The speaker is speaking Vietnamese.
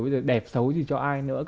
bây giờ đẹp xấu gì cho ai nữa